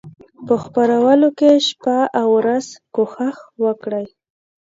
په خپرولو کې شپه او ورځ کوښښ وکړي.